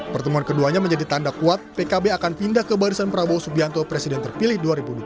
pertemuan keduanya menjadi tanda kuat pkb akan pindah ke barisan prabowo subianto presiden terpilih dua ribu dua puluh